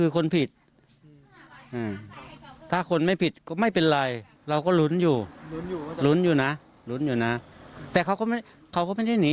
แอบงานรู้สึกว่าพวกมัวดินเจ้าสองคนจะยื้อจากโมมันก่อนทุกที่